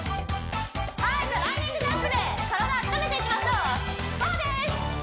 はいじゃあランニングジャンプで体温めていきましょうそうです